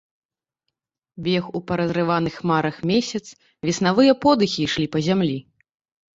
Бег у паразрываных хмарах месяц, веснавыя подыхі ішлі па зямлі.